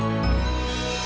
terima kasih ustaz